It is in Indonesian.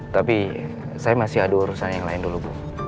tapi saya masih adu urusan yang lain dulu bu